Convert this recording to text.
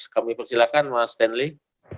kami persilakan mas stanley